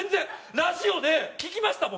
ラジオで聴きました僕。